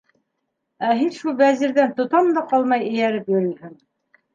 Ә һин шул Вәзирҙән тотам да ҡалмай эйәреп йөрөйһөң.